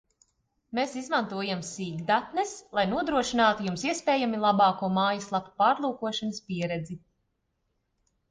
Mēs izmantojam sīkdatnes, lai nodrošinātu Jums iespējami labāko mājaslapas pārlūkošanas pieredzi